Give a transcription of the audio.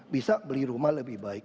bisa beli rumah lebih baik